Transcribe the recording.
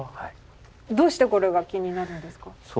どうしてこれが気になるんですか？